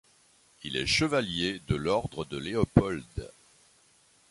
Il est chevalier de l'ordre de Léopold.